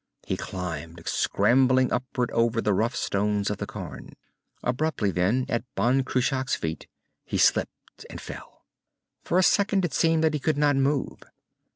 He climbed, scrambling upward over the rough stones of the cairn. Abruptly, then, at Ban Cruach's feet, he slipped and fell. For a second it seemed that he could not move.